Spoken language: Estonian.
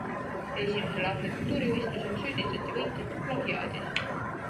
Esimesel arhitektuurivõistlusel süüdistati võitjat plagiaadis.